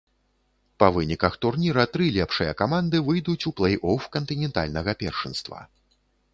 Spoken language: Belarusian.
Па выніках турніра тры лепшыя каманды выйдуць у плэй-оф кантынентальнага першынства.